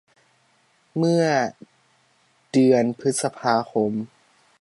เมื่อเดีอนพฤษภาคม